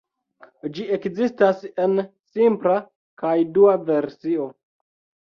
Ĝi ekzistas en simpla kaj dua versio.